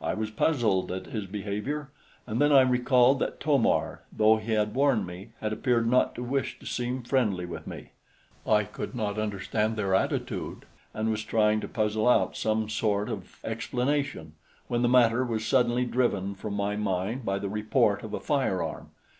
I was puzzled at his behavior, and then I recalled that To mar, though he had warned me, had appeared not to wish to seem friendly with me. I could not understand their attitude, and was trying to puzzle out some sort of explanation, when the matter was suddenly driven from my mind by the report of a firearm.